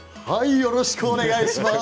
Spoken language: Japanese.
よろしくお願いします。